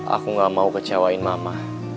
aku gak mau kecewain mama